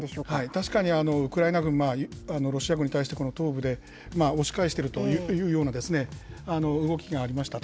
確かに、ウクライナ軍、ロシア軍に対して、この東部で押し返してるというような動きがありました。